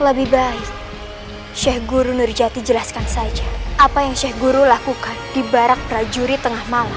lebih baik sheikh guru nurjati jelaskan saja apa yang sheikh guru lakukan di barak prajurit tengah malam